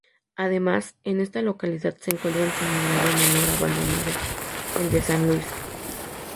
Además, en esta localidad se encuentra un seminario menor abandonado, el de San Luis.